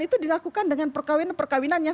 itu dilakukan dengan perkawinan perkawinan yang